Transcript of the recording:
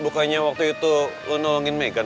bukannya waktu itu lu nolongin megan